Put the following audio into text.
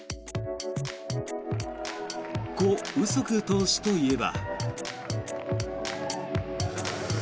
コ・ウソク投手といえば。